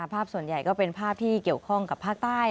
ภาพส่วนใหญ่ก็เป็นภาพที่เกี่ยวข้องกับภาคใต้